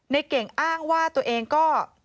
เก่งอ้างว่าตัวเองก็